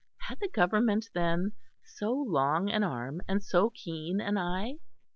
Had the Government then so long an arm and so keen an eye?